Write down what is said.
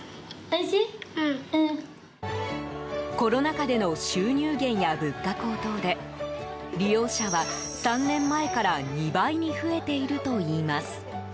コロナ禍での収入減や物価高騰で利用者は３年前から２倍に増えているといいます。